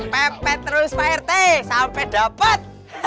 pempek terus pak rt sampai dapat